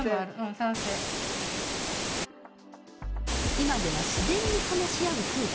今では自然に話し合う空気が生まれ